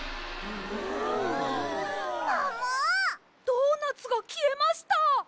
ドーナツがきえました！